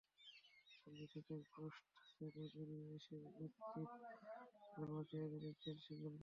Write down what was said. কিন্তু ঠিকই পোস্ট ছেড়ে বেরিয়ে এসে নিশ্চিত গোল বাঁচিয়ে দিলেন চেলসি গোলকিপার।